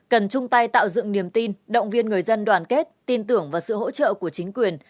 cần chung tay tạo dựng niềm tin động viên người dân đoàn kết tin tưởng vào sự hỗ trợ của chính quyền